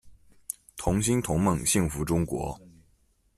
同心同梦，幸福中国。